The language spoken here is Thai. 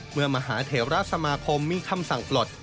เมื่อมหาเทวรัฐสมาคมมีคำสั่งปลด